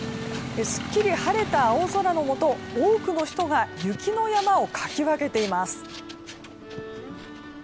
すっきり晴れた青空のもと多くの人が雪の山をかき分けています。